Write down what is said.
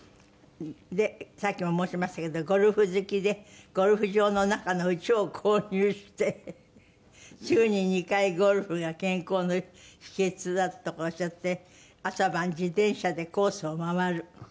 でさっきも申しましたけどゴルフ好きでゴルフ場の中の家を購入して週に２回ゴルフが健康の秘訣だとかおっしゃって朝晩自転車でコースを回る。